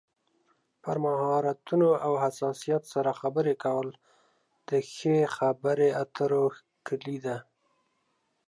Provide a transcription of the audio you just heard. پر مهارتونو او حساسیت سره خبرې کول د ښې خبرې اترو کلي ده.